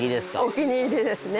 お気に入りですね。